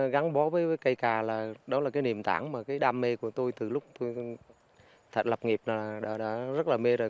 gắn bó với cây cà là đó là cái niềm tảng mà cái đam mê của tôi từ lúc tôi lập nghiệp là đã rất là mê rồi